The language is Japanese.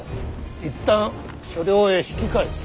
一旦所領へ引き返す。